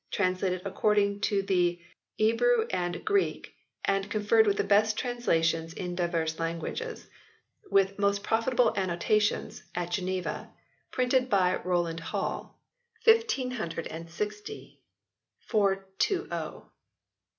Translated According to the Ebrue and Greke, and conferred with the best translations in divers langages. With Moste Profitable Anno tations... At Geneva. Printed by Rouland Hall. 78 HISTORY OF THE ENGLISH BIBLE [OH. M.D.LX. 4to."